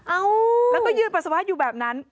เอ้าแล้วก็ยืนปัสสาวะอยู่แบบนั้น